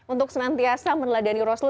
untuk senantiasa meneladani rasul